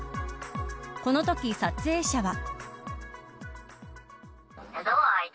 このとき撮影者は。